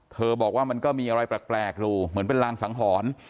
บอกว่ามันก็มีอะไรแปลกอยู่เหมือนเป็นรางสังหรณ์